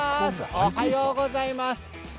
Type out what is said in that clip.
おはようございます。